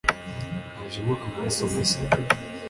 hajemo amaraso mashya